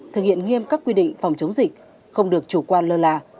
thực hiện nghiêm các quy định phòng chống dịch không được chủ quan lơ là